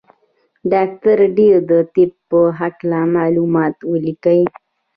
ډاکټر دي د طب په هکله معلومات ولیکي.